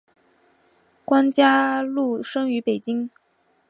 关嘉禄生于北京。